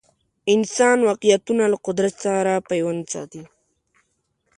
انسان واقعیتونه له قدرت سره پیوند ساتي